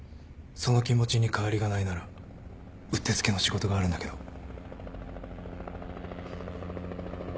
その気持ちに変わりがないならうってつけの仕事があるんだけど。